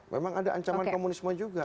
memang ada ancaman komunisme juga